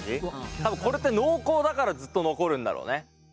多分これって濃厚だからずっと残るんだろうね。